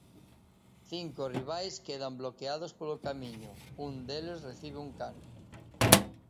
Cinco rivais quedan bloqueados polo camiño, un deles recibe un cano.